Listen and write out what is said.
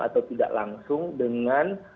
atau tidak langsung dengan